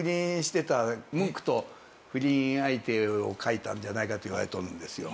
ムンクと不倫相手を描いたんじゃないかといわれてるんですよ。